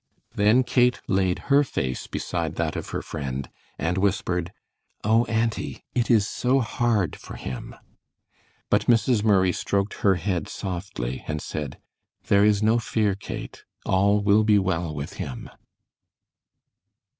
Then Kate laid her face beside that of her friend and whispered, "Oh, auntie, it is so hard for him"; but Mrs. Murray stroked her head softly and said: "There is no fear, Kate; all will be well with him."